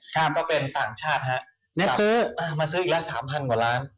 ก็เป็นต่างชาติฮะมาซื้ออีกละ๓๐๐๐กว่าร้าน